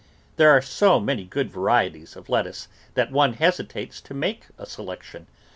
There are so many good varieties of lettuce that one hesitates to make a selection.